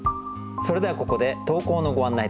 それではここで投稿のご案内です。